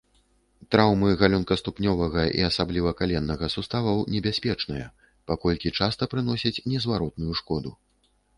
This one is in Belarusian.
Траўмы галёнкаступнёвага і асабліва каленнага суставаў небяспечныя, паколькі часта прыносяць незваротную шкоду.